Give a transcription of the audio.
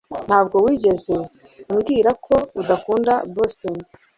Ntabwo wigeze umbwira ko udakunda Boston